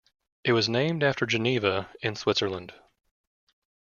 It was named after Geneva, in Switzerland.